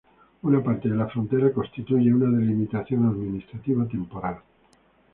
Una parte de la frontera constituye una delimitación administrativa temporal.